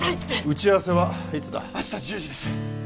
打ち合わせはいつだ明日１０時です